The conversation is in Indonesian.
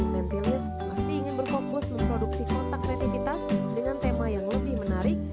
netilis masih ingin berkompos memproduksi kontak kreatifitas dengan tema yang lebih menarik